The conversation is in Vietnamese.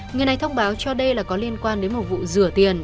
người này thông báo cho đây là có liên quan đến một vụ rửa tiền